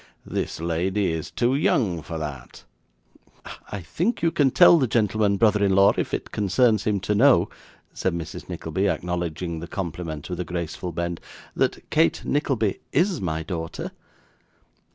This lady is too young for that.' 'I think you can tell the gentleman, brother in law, if it concerns him to know,' said Mrs. Nickleby, acknowledging the compliment with a graceful bend, 'that Kate Nickleby is my daughter.